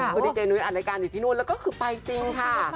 คือดีเจนุ้ยอัดรายการอยู่ที่นู่นแล้วก็คือไปจริงค่ะ